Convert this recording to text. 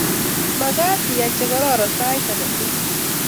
Magaat iyay chegororon siat agetugul